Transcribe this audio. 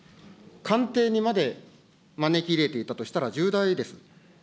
官邸にまで招き入れていたとしたら、重大です。